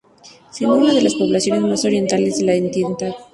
Siendo una de las poblaciones más orientales de la entidad.